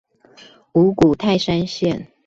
五股泰山線